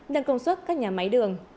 nâng công suất các nhà máy đường